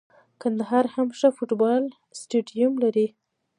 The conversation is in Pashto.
کندهار هم ښه فوټبال سټیډیم لري.